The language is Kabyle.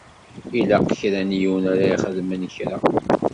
Ilaq kra n yiwen ara ixedmen kra.